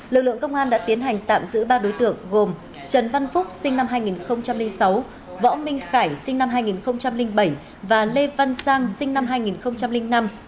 lực lượng công an đã tiến hành tạm giữ ba đối tượng gồm trần văn phúc sinh năm hai nghìn sáu võ minh khải sinh năm hai nghìn bảy và lê văn sang sinh năm hai nghìn năm